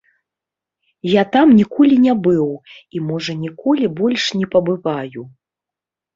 Я там ніколі не быў і, можа, ніколі, больш не пабываю.